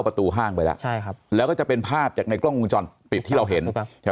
ประตูห้างไปแล้วใช่ครับแล้วก็จะเป็นภาพจากในกล้องวงจรปิดที่เราเห็น